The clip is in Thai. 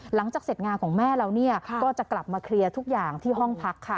หลังจากเสร็จงานของแม่แล้วก็จะกลับมาเคลียร์ทุกอย่างที่ห้องพักค่ะ